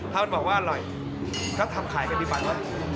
ถ้ามันบอกว่าอร่อยก็ถามขายกันดีกว่า